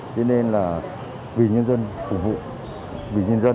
thế nên là vì nhân dân phục vụ vì nhân dân